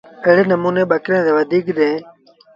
ايڙي نموٚني ٻڪريݩ وڌيٚن ديٚݩ۔